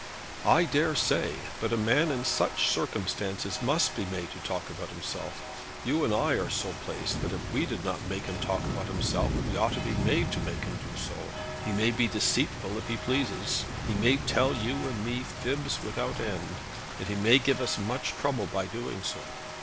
"I dare say. But a man in such circumstances must be made to talk about himself. You and I are so placed that if we did not make him talk about himself, we ought to be made to make him do so. He may be deceitful if he pleases. He may tell you and me fibs without end. And he may give us much trouble by doing so.